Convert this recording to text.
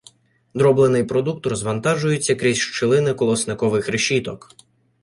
Дроблений продукт розвантажується крізь щілини колосникових решіток.